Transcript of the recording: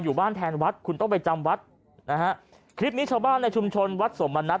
อยู่บ้านแทนวัดคุณต้องไปจำวัดนะฮะคลิปนี้ชาวบ้านในชุมชนวัดสมณัฐ